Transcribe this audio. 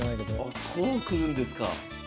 あこうくるんですか。